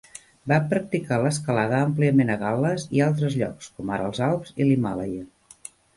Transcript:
Va practicar l'escalada àmpliament a Gal·les i altres llocs, com ara els Alps i l'Himàlaia.